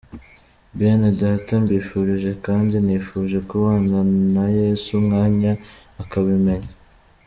Bene Data mbifurije kandi nifuje kubana na Yesu umwanya, akabimenya.